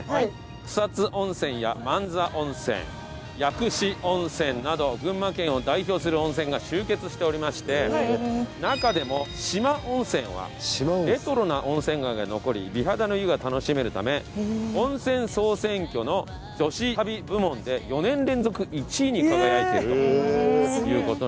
草津温泉や万座温泉薬師温泉など群馬県を代表する温泉が集結しておりまして中でも四万温泉はレトロな温泉街が残り美肌の湯が楽しめるため温泉総選挙の女子旅部門で４年連続１位に輝いているという事なんですね。